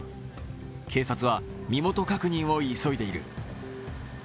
警察は身元確認を急いでいる。